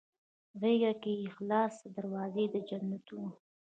غیږ کې یې خلاصې دروازې د جنتونه